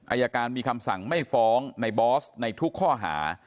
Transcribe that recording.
อายการมีคำสั่งไม่ฟ้องในบอสในทุกข้อหา